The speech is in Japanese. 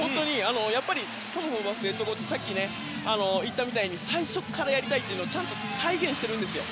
やっぱりトム・ホーバスヘッドコーチさっき言ったみたいに最初からやりたいということをちゃんと体現してるんですよ。